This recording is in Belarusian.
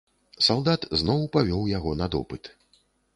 Салдат зноў павёў яго на допыт.